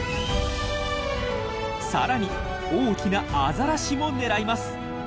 更に大きなアザラシも狙います。